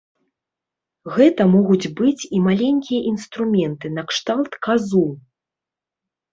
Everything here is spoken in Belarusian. Гэта могуць быць і маленькія інструменты накшталт казу.